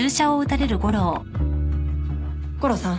悟郎さん？